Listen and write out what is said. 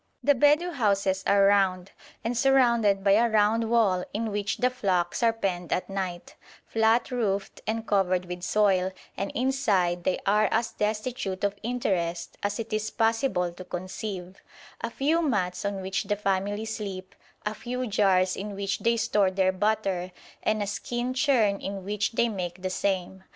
The Bedou houses are round, and surrounded by a round wall in which the flocks are penned at night; flat roofed and covered with soil, and inside they are as destitute of interest as it is possible to conceive a few mats on which the family sleep, a few jars in which they store their butter, and a skin churn in which they make the same.